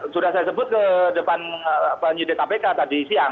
sudah saya sebut ke depan penyidik kpk tadi siang